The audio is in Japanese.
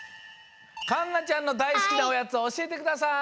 かんなちゃんのだいすきなおやつおしえてください！